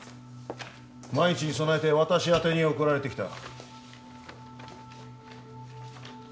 万一に備えて私宛てに送られてきた。